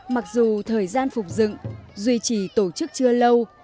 mặc dù thời gian phục dựng duy trì tổ chức chưa lâu